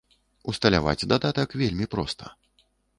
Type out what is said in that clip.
Усталяваць дадатак вельмі проста.